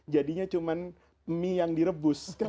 jadinya cuma mie yang direbus